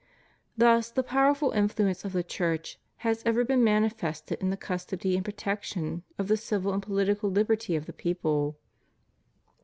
Thus the powerful influence of the Church has ever been manifested in the custody and protection of the civil and political liberty of the people.